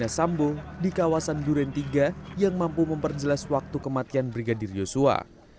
verdi sambo di kawasan duren tiga yang mampu memperjelas waktu kematian brigadir yosua